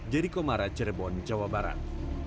jericho mara cirebon jawa barat